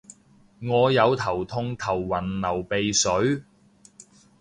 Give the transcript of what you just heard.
我有頭痛頭暈流鼻水